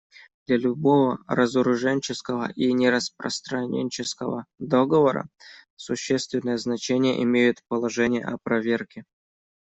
Для любого разоруженческого и нераспространенческого договора существенное значение имеют положения о проверке.